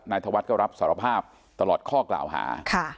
ธวัฒน์ก็รับสารภาพตลอดข้อกล่าวหา